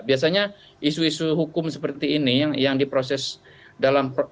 biasanya isu isu hukum seperti ini yang diproses dalam proses